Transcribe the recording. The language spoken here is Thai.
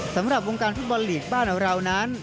สำหรับวงการฟุตบอลลีกบ้านเรานั้น